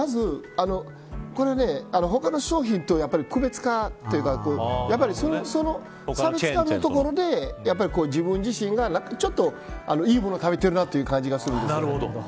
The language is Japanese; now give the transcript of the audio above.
他の商品と区別化というところで差別化のところで自分自身がちょっといいものを食べてるなという感じがします。